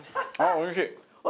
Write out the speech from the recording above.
おいしい？